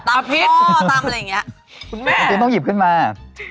มันเป็นอะไรที่ตัดกัน